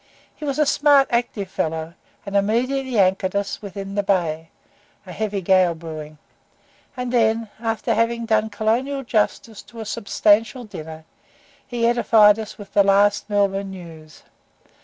He was a smart, active fellow, and immediately anchored us within the bay (a heavy gale brewing); and then, after having done colonial justice to a substantial dinner, he edified us with the last Melbourne news.